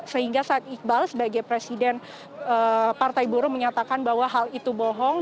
sehingga said iqbal sebagai presiden partai buruh menyatakan bahwa hal itu bohong